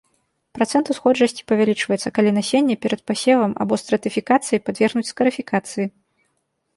Працэнт усходжасці павялічваецца, калі насенне перад пасевам або стратыфікацыі падвергнуць скарыфікацыі.